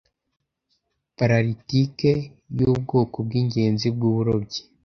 Paralitike yubwoko bwingenzi bwuburozi